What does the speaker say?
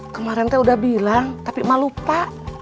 kemarin teh udah bilang tapi mah lupa